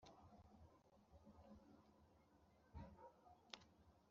Jenoside akatirwa n inkiko Gacaca imyaka